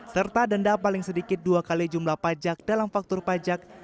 serta denda paling sedikit dua kali jumlah pajak dalam faktor pajak